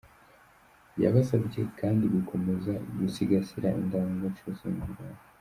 Yabasabye kandi gukomeza gusigasira indangagaciro z’Ubunyarwanda.